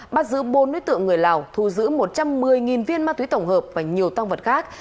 bắt giữ bốn đối tượng người lào thu giữ một trăm một mươi viên ma túy tổng hợp và nhiều tăng vật khác